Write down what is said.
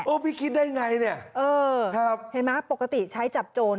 พี่คิดได้ไงเนี่ยเออครับเห็นไหมปกติใช้จับโจร